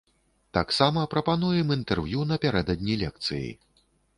Таксама прапануем інтэрв'ю напярэдадні лекцыі.